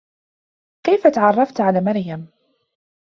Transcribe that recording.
كيف تعرفت على مريم ؟